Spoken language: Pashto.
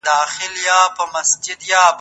که کيفيت ته پام ونه سي پرمختګ بې مانا دی.